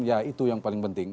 ya itu yang paling penting